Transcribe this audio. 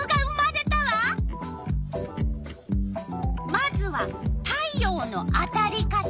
まずは「太陽のあたり方」。